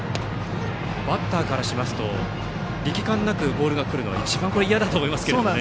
バッターからしますと力感なくボールが来るのは一番いやだと思いますが。